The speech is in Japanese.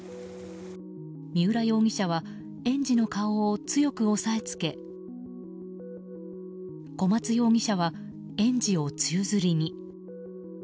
三浦容疑者は園児の顔を強く押さえつけ小松容疑者は園児を宙づりに。